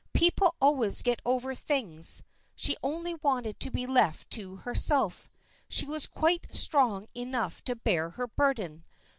People always get over things. She only wanted to be left to herself. She was quite strong enough to bear her burden.